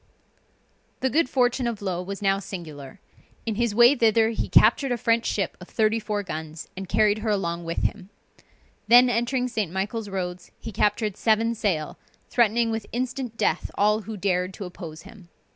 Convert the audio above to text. The good fortune of Low was now singular; in his way thither he captured a French ship of 34 guns, and carried her along with him. Then entering St. Michael's roads, he captured seven sail, threatening with instant death all who dared to oppose him.